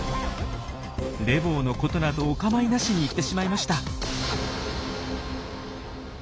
レボーのことなどお構いなしに行ってしまいました。